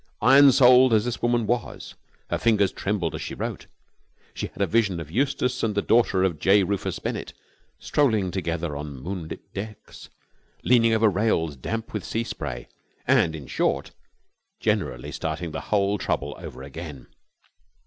Iron souled as this woman was, her fingers trembled as she wrote. She had a vision of Eustace and the daughter of J. Rufus Bennett strolling together on moonlit decks, leaning over rails damp with sea spray, and, in short, generally starting the whole trouble over again.